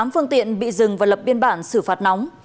tám phương tiện bị dừng và lập biên bản xử phạt nóng